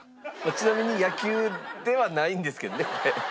ちなみに野球ではないんですけどねこれ。